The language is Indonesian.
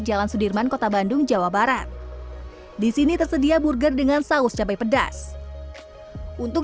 jalan sudirman kota bandung jawa barat disini tersedia burger dengan saus cabai pedas untuk